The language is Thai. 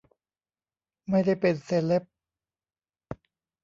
ไม่ได้เป็นเซเลบ.